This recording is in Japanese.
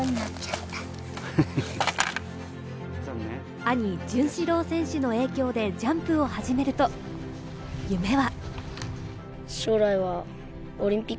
兄・潤志郎選手の影響でジャンプを始めると、夢は。